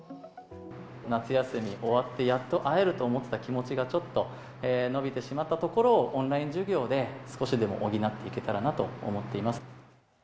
夏休み終わってやっと会えると思った気持ちが、ちょっと延びてしまったところを、オンライン授業で少しでも補っていけたらなと思っています。